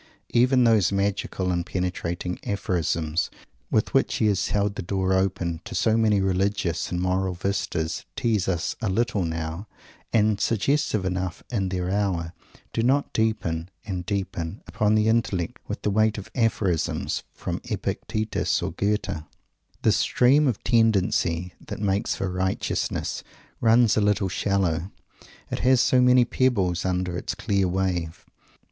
Even those magical and penetrating "aphorisms" with which he has held the door open to so many religious and moral vistas tease us a little now, and suggestive enough in their hour do not deepen and deepen upon the intellect with the weight of "aphorisms" from Epictetus or Goethe. The "stream of tendency that makes for righteousness" runs a little shallow, and it has so many pebbles under its clear wave!